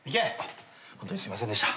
ホントにすいませんでした。